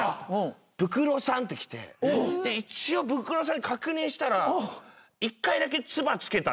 「ブクロさん」って来て一応ブクロさんに確認したら「１回だけ唾つけた」